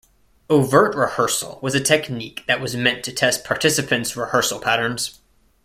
Overt-Rehearsal was a technique that was meant to test participants' rehearsal patterns.